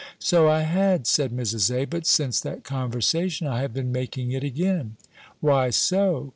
"So I had," said Mrs. A.; "but since that conversation I have been making it again." "Why so?"